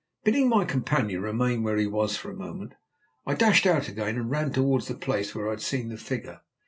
Bidding my companion remain where he was for a moment, I dashed out again and ran towards the place where I had seen the figure.